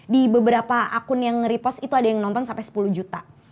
di beberapa akun yang nge repost itu ada yang nonton sampai sepuluh juta